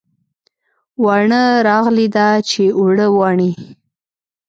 واڼه راغلې ده چې اوړه واڼي